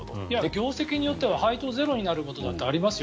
業績によっては配当ゼロになることだってありますよ。